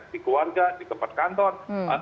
di keluarga di tempat kantor